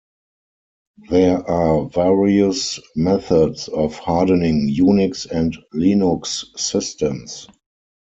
There are various methods of hardening Unix and Linux systems.